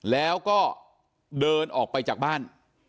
แล้วก็เดินออกไปจากบ้าน